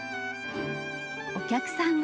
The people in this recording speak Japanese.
お客さんは。